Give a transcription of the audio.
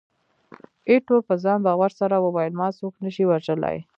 ایټور په ځان باور سره وویل، ما څوک نه شي وژلای.